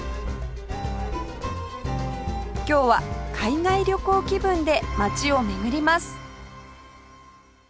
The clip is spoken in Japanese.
今日は海外旅行気分で街を巡ります